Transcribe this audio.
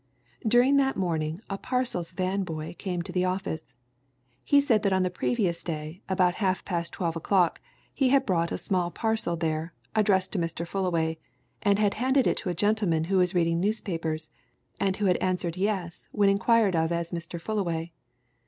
During the morning a parcels van boy came into the office. He said that on the previous day, about half past twelve o'clock, he had brought a small parcel there, addressed to Mr. Fullaway, and had handed it to a gentleman who was reading newspapers, and who had answered 'Yes' when inquired of as Mr. Fullaway.